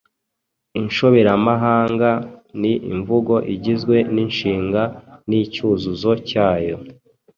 Inshoberamahanga ni imvugo igizwe n’inshinga n’icyuzuzo cyayo